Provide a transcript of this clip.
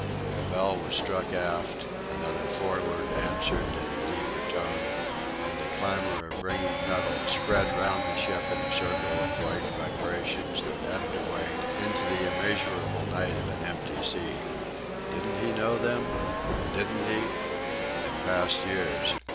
A bell was struck aft, another, forward, answered in a deeper tone, and the clamour of ringing metal spread round the ship in a circle of wide vibrations that ebbed away into the immeasurable night of an empty sea.... Didn't he know them! Didn't he! In past years.